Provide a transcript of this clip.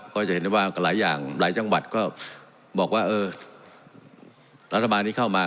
ก็จะเห็นได้ว่าหลายอย่างหลายจังหวัดก็บอกว่าเออรัฐบาลนี้เข้ามา